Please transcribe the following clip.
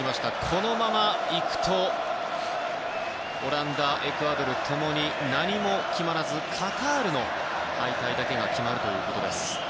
このままいくとオランダ、エクアドル共に何も決まらずカタールの敗退だけが決まります。